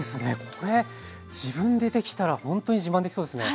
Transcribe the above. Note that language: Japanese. これ自分でできたらほんとに自慢できそうですね。